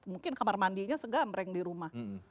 mungkin kamar mandinya segam reng di rumah